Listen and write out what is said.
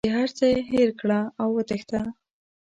د هر څه هېر کړه او وتښته.